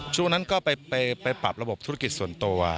ช่วงนั้นก็ไปปรับระบบธุรกิจส่วนตัว